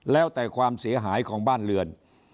แล้วแต่ความเสียหายของบ้านเรือน